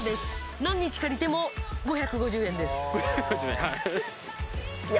何日借りても５５０円です。